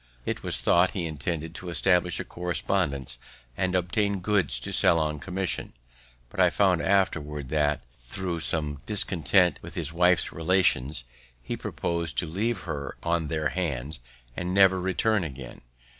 It was thought he intended to establish a correspondence, and obtain goods to sell on commission; but I found afterwards, that, thro' some discontent with his wife's relations, he purposed to leave her on their hands, and never return again.